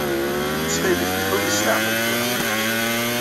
Ttxil-k, lḥu-iyi s leɛqel tura.